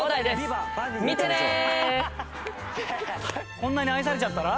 こんなに愛されちゃったら？